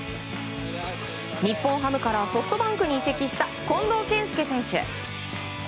日本ハムからソフトバンクに移籍した近藤健介選手。